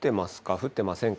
降ってませんか？